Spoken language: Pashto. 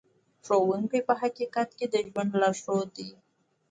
ښوونکی په حقیقت کې د ژوند لارښود دی.